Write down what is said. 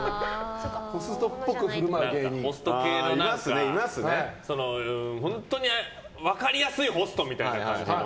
ホスト系の何か本当に分かりやすいホストみたいな感じ。